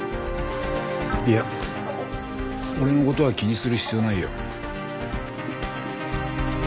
いや俺の事は気にする必要ないよ。